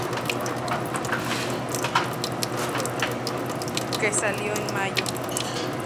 K que salió en mayo.